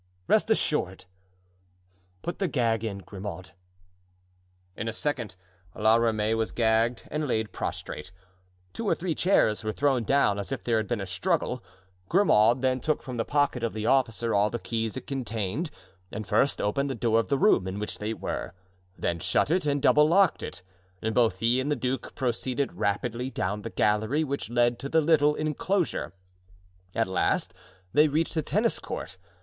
"Rest assured; put the gag in, Grimaud." In a second La Ramee was gagged and laid prostrate. Two or three chairs were thrown down as if there had been a struggle. Grimaud then took from the pocket of the officer all the keys it contained and first opened the door of the room in which they were, then shut it and double locked it, and both he and the duke proceeded rapidly down the gallery which led to the little inclosure. At last they reached the tennis court.